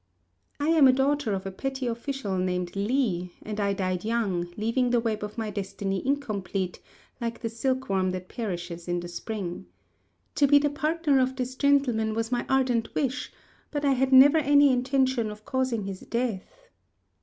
"I am a daughter of a petty official named Li, and I died young, leaving the web of my destiny incomplete, like the silkworm that perishes in the spring. To be the partner of this gentleman was my ardent wish; but I had never any intention of causing his death."